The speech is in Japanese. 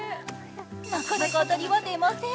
なかなか当たりが出ません。